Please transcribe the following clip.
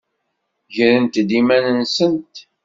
Grent-d iman-nsent.